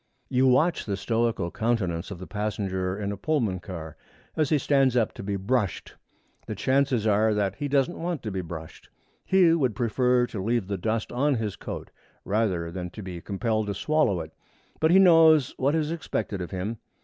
You watch the stoical countenance of the passenger in a Pullman car as he stands up to be brushed. The chances are that he doesn't want to be brushed. He would prefer to leave the dust on his coat rather than to be compelled to swallow it. But he knows what is expected of him.